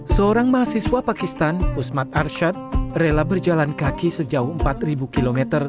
seorang mahasiswa pakistan usma arshad rela berjalan kaki sejauh empat ribu km